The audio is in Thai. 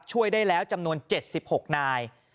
ช่วยได้แล้วจำนวน๗๖นาย